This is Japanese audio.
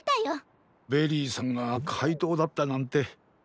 ベリーさんがかいとうだったなんて。